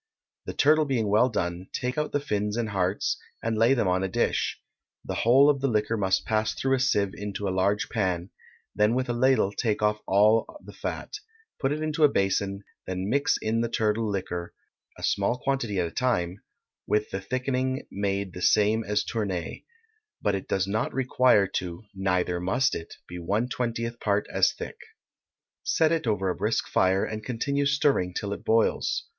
The turtle being well done, take out the fins and hearts, and lay them on a dish; the whole of the liquor must pass through a sieve into a large pan; then with a ladle take off all the fat, put it into a basin, then mix in the turtle liquor (a small quantity at a time), with the thickening made the same as tournée; but it does not require to, neither must it, be one twentieth part as thick. Set it over a brisk fire, and continue stirring till it boils.